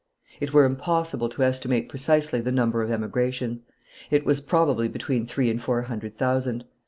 It were impossible to estimate precisely the number of emigrations; it was probably between three and four hundred thousand.